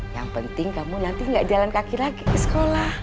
yang penting kamu nanti nggak jalan kaki lagi ke sekolah